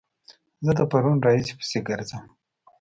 زه د پرون راهيسې پسې ګرځم